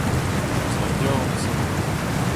Chañs vat deoc'h neuze.